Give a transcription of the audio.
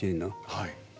はい。